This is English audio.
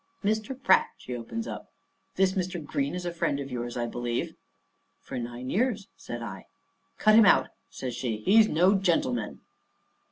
"Mr. Pratt," she opens up, "this Mr. Green is a friend of yours, I believe." "For nine years," says I. "Cut him out," says she. "He's no gentleman!"